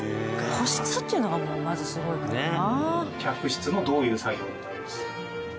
個室っていうのがもうまずすごいもんな。